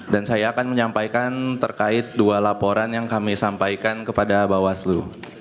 dan saya akan menyampaikan terkait dua laporan yang kami sampaikan kepada bawaslu